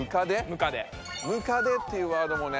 「ムカデ」っていうワードもね